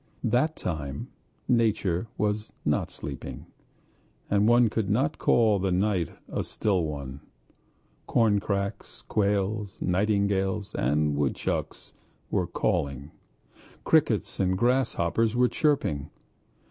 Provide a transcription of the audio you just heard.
That time nature was not sleeping, and one could not call the night a still one. Corncrakes, quails, nightingales, and woodcocks were calling, crickets and grasshoppers were chirruping.